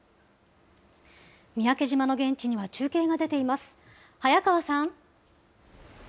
三宅島の現地には中継が出ています。